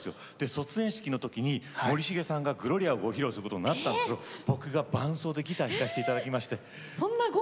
卒園式のときに森重さんが「ＧＬＯＲＩＡ」をご披露することになったんですけど僕が伴奏でギター弾かせていただきまして。